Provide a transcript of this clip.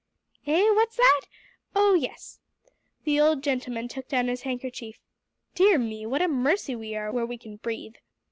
"Eh what's that? Oh, yes." The old gentleman took down his handkerchief. "Dear me! what a mercy we are where we can breathe!"